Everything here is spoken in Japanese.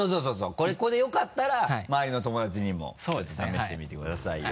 ここでよかったら周りの友達にも試してみてくださいよ。